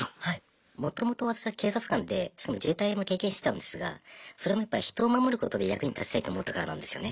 もともと私は警察官でしかも自衛隊も経験してたんですがそれもやっぱ人を守ることで役に立ちたいと思ったからなんですよね。